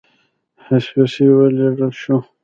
حبشې ته ولېږل شو.